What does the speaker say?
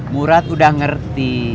murad udah ngerti